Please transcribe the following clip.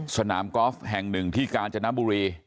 สนามกอล์ฟแห่งหนึ่งที่กาญจนบุรี